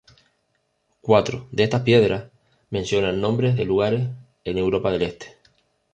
Cuatro de estas piedras mencionan nombres de lugares en Europa del este.